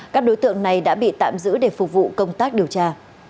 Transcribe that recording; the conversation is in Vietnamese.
các đối tượng này đã bị tạm giữ để phục vụ công tác điều tra